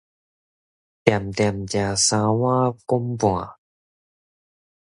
恬恬食三碗公半